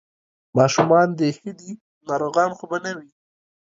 ماشومان دې ښه دي، ناروغان خو به نه وي؟